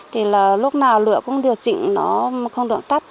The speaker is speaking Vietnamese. thì là lúc nào lửa cũng điều chỉnh nó không được cắt